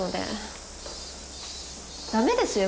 駄目ですよ